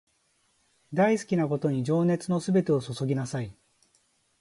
大好きなことに情熱のすべてを注ぎなさい